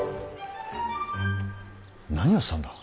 何をしたんだ